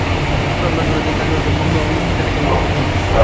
কোরআন পাঠ করেছেন, দান খয়রাত করেছেন, মগ্ন থেকেছেন বেশি বেশি ইবাদত-বন্দেগিতে।